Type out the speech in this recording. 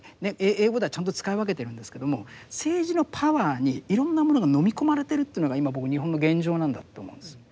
英語ではちゃんと使い分けてるんですけども政治のパワーにいろんなものがのみ込まれてるというのが今僕日本の現状なんだって思うんです。